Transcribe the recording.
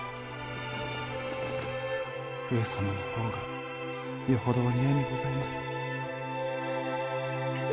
上様の方がよほどお似合いにございます。